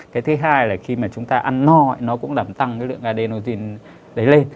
cái thứ hai là khi mà chúng ta ăn no nó cũng làm tăng cái lượng adenogin đấy lên